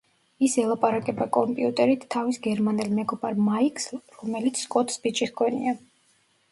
ის ელაპარაკება კომპიუტერით თავის გერმანელ მეგობარ მაიკს რომელიც სკოტს ბიჭი ჰგონია.